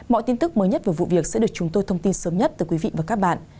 mọi tin tức mới nhất về vụ việc sẽ được chúng tôi thông tin sớm nhất từ quý vị và các bạn